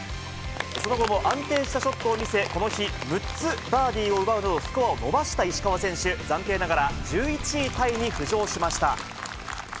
その後も安定したショットを見せ、この日６つバーディーを奪うなど、スコアを伸ばした石川選手、暫定ながら、１１位タイに浮上しました。